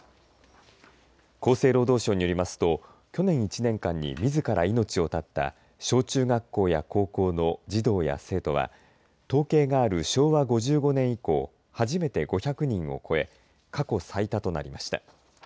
厚生労働省によりますと去年１年間にみずから命を絶った小中学校や高校の児童や生徒は統計がある昭和５５年以降初めて５００人を超え過去最多となりました。